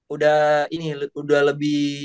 udah ini udah lebih